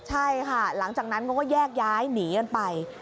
ใช่ค่ะหลังจากนั้นเขาก็แยกย้ายหนีกันไป